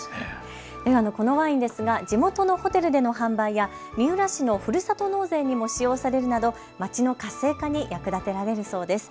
このワインですが地元のホテルでの販売や三浦市のふるさと納税にも使用されるなど街の活性化に役立てられるそうです。